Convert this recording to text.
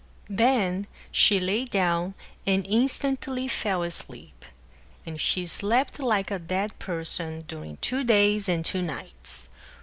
Then she lay down, and instantly fell asleep; and she slept like a dead person during two days and two nights.